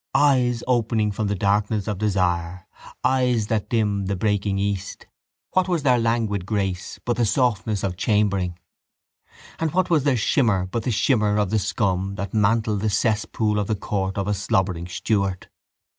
Eyes, opening from the darkness of desire, eyes that dimmed the breaking east. What was their languid grace but the softness of chambering? And what was their shimmer but the shimmer of the scum that mantled the cesspool of the court of a slobbering Stuart.